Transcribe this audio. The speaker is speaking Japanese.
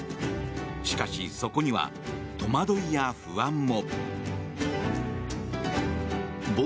しかし、そこには戸惑いや不安も。